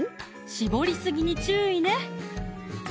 絞りすぎに注意ね